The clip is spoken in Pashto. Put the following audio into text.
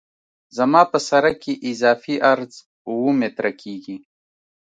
زما په سرک کې اضافي عرض اوه متره کیږي